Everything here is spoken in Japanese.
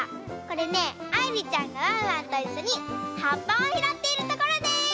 これねあいりちゃんがワンワンといっしょにはっぱをひろっているところです！